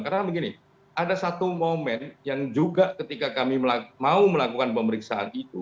karena begini ada satu momen yang juga ketika kami mau melakukan pemeriksaan itu